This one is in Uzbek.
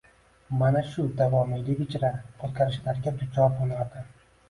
Mana shu davomiylik ichra o’zgarishlarga duchor bo’lardi.